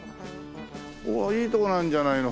うわっいいとこなんじゃないの。